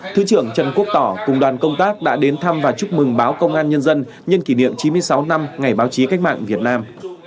thứ trưởng trần quốc tỏ cùng đoàn công tác đã đến thăm và chúc mừng báo công an nhân dân nhân kỷ niệm chín mươi sáu năm ngày báo chí cách mạng việt nam